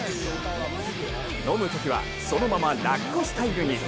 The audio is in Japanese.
飲むときは、そのままラッコスタイルに。